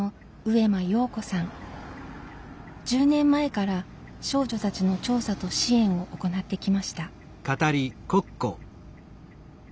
１０年前から少女たちの調査と支援を行ってきました。